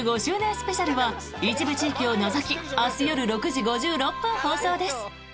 スペシャル」は一部地域を除き明日夜６時５６分放送です。